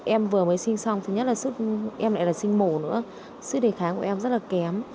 em vừa mới sinh xong thứ nhất là em lại là sinh mổ nữa sức đề kháng của em rất là kém